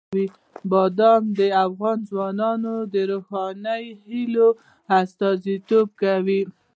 بادام د افغان ځوانانو د روښانه هیلو استازیتوب کوي.